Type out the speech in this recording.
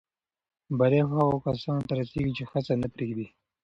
بریا هغو کسانو ته رسېږي چې هڅه نه پرېږدي.